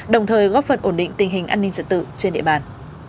đồng thời góp phần ổn định tình hình an ninh trật tự trên địa bàn